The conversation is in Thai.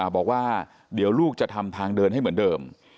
บอกว่าเดี๋ยวลูกจะทำทางเดินให้เหมือนเดิม